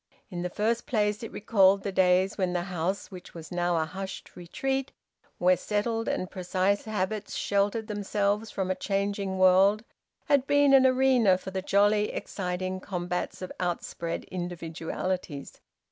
In the first place it recalled the days when the house, which was now a hushed retreat where settled and precise habits sheltered themselves from a changing world, had been an arena for the jolly, exciting combats of outspread individualities.